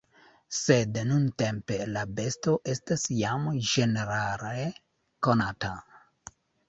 Sed nuntempe la besto estas jam ĝenerale konata.